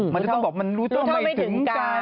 มันจะต้องบอกมันรู้ต้องไม่ถึงการ